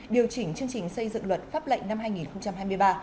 điều chỉnh chương trình xây dựng luật pháp lệnh năm hai nghìn hai mươi ba